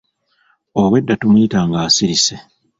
Obwedda tumuyita ng'asirise.